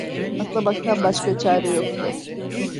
Atlamaktan başka çare yoktu…